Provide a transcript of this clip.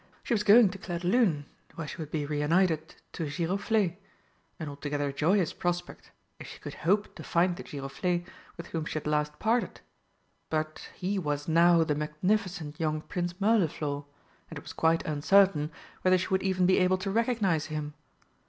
She was going to Clairdelune, where she would be reunited to Giroflé an altogether joyous prospect, if she could hope to find the Giroflé with whom she had last parted. But he was now the magnificent young Prince Mirliflor, and it was quite uncertain whether she would even be able to recognise him.